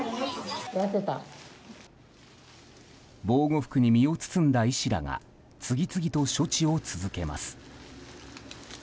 防護服に身を包んだ医師らが次々と処置を続けます。